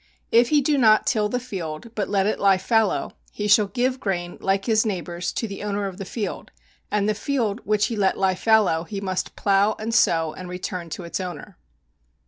If he do not till the field, but let it lie fallow, he shall give grain like his neighbor's to the owner of the field, and the field which he let lie fallow he must plow and sow and return to its owner.